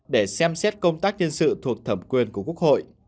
để xem xét công tác nhân sự thuộc thẩm quyền của quốc hội